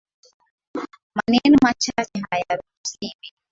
Maneno machache hayaruhusiwi